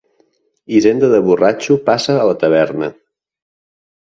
Hisenda de borratxo passa a la taverna.